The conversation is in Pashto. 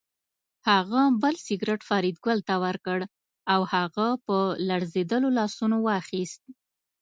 هغه بل سګرټ فریدګل ته ورکړ او هغه په لړزېدلو لاسونو واخیست